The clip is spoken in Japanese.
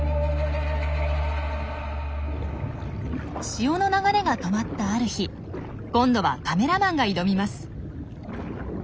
潮の流れが止まったある日今度はカメラマンが挑みます。